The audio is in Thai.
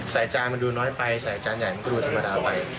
จานมันดูน้อยไปใส่จานใหญ่มันก็ดูธรรมดาไป